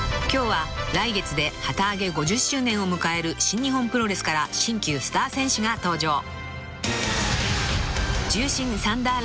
［今日は来月で旗揚げ５０周年を迎える新日本プロレスから新旧スター選手が登場］